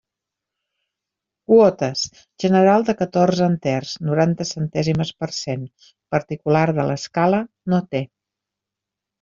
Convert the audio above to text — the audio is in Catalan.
Quotes: general de catorze enters, noranta centèsimes per cent; particular de l'escala: no té.